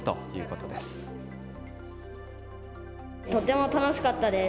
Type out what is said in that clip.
とても楽しかったです。